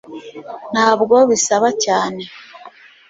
ntabwo bisaba cyane